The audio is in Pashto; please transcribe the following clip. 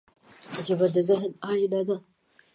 ژبه د ذهن آینه ده